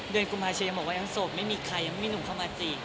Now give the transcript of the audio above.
เดินกลุ่มมาเชียร์ยังบอกว่ายังโสดไม่มีใครยังมีหนุ่มเข้ามาจริง